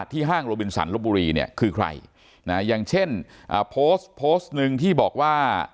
ที่ห้างโรบินสันลบบุรีเนี่ยคือใครอย่างเช่นโพสต์หนึ่งที่บอกว่า